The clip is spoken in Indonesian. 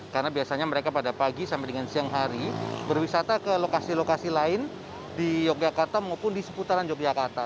karena biasanya mereka pada pagi sampai dengan siang hari berwisata ke lokasi lokasi lain di yogyakarta maupun di seputaran yogyakarta